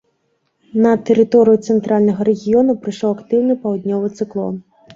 На тэрыторыю цэнтральнага рэгіёну прыйшоў актыўны паўднёвы цыклон.